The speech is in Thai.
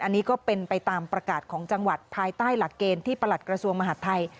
อันนี้ก็เป็นไปตามประกาศของจังหวัดภายใต้หลักเกณฑ์ที่ประหลัดกระทรวงมหาดไทย